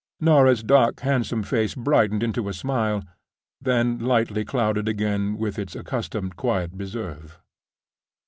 Norah's dark, handsome face brightened into a smile—then lightly clouded again with its accustomed quiet reserve.